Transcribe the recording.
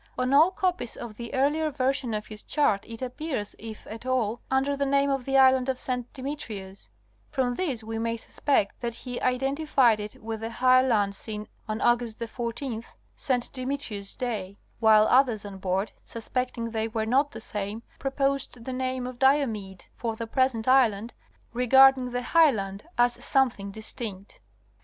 On all copies of the earlier version of his chart it appears if at all under the name of the Island of St. Demetrius. From this we may suspect that he identified it with the high land seen Aug. 14th, St. Demetrius' day, while others on board, suspecting they were not the same proposed the name of Diomede for the present Review of Bering s First Expedition, 1725 30. 157 island ; regarding the high land as something distinct.